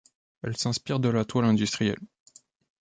Elle s'inspire de la Toile industrielle.